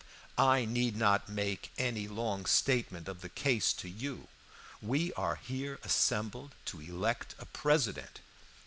"I need not make any long statement of the case to you. We are here assembled to elect a President.